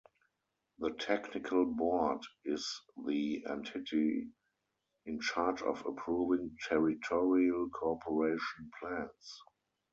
The Technical Board is the entity in charge of approving territorial cooperation plans.